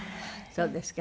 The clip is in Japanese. そうですか。